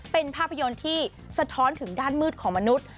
เป็นภาพยนตร์ที่สะท้อนถึงด้านมืดของมนุษย์